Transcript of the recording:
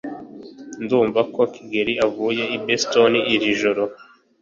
Ndumva ko Kigeri avuye i Boston iri joro.